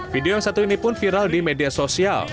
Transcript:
video yang satu ini pun viral di media sosial